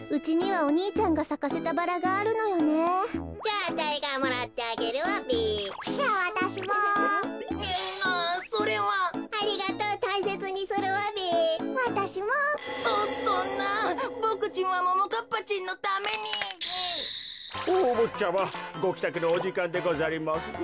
おおぼっちゃまごきたくのおじかんでござりますぞ。